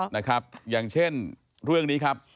นะครับอย่างเช่นเรื่องนี้ครับ